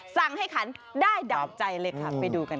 สั่งให้ขันได้ดาบใจเลยครับไปดูกันกัน